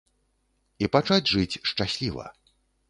І пачаць жыць шчасліва.